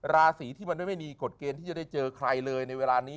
ราศีที่มันไม่มีกฎเกณฑ์ที่จะได้เจอใครเลยในเวลานี้